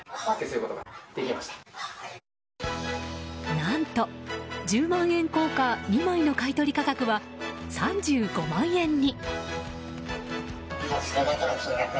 何と、十万円硬貨２枚の買い取り価格は３５万円に。